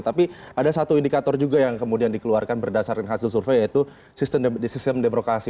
tapi ada satu indikator juga yang kemudian dikeluarkan berdasarkan hasil survei yaitu sistem demokrasi